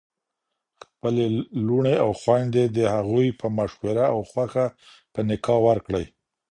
خپلي لوڼي او خوندي د هغوی په مشوره او خوښه په نکاح ورکړئ